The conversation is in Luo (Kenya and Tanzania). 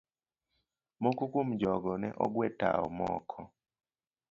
Moko kuom jogo ne ogwe tawo, moko